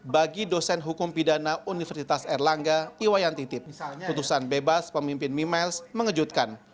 bagi dosen hukum pidana universitas erlangga iwayantitip putusan bebas pemimpin mimiles mengejutkan